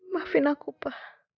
maafin aku pak